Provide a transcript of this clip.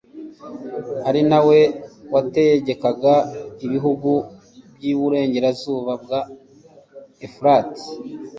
ari na we wategekaga ibihugu by'iburengerazuba bwa efurati